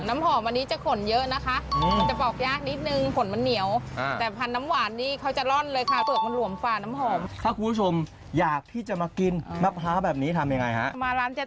น้ำหอมอันนี้จะขนเยอะนะคะมันจะปอกยากนิดนึงขนมันเหนียวแต่พันธุ์น้ำหวานนี่เขาจะร่อนเลยค่ะเปิดมันหลวมฝ่าน้ำหอม